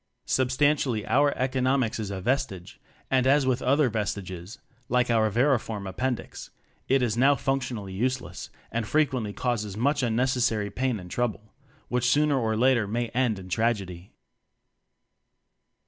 Sub stantially our "Economics" is a ves tige, and as with other vestiges like our vermiform appendix it is now functionally useless, and frequently causes much unnecessary pain and trouble; which sooner or later may end in tragedy.